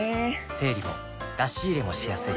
整理も出し入れもしやすい